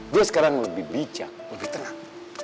dia sekarang lebih bijak lebih tenang